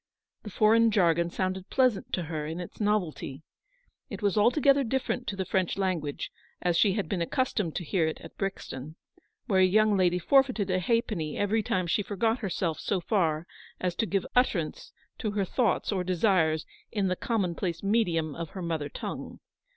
The foreign jargon sounded pleasant to her in its novelty. It was altogether different to the French language as she had been accustomed to hear it at Brixton ; where a young lady forfeited a halfpenny every time she forgot herself so far as to give utterance to her thoughts or desires in the commonplace medium of her mother tongue.